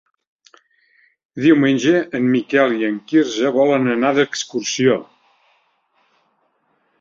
Diumenge en Miquel i en Quirze volen anar d'excursió.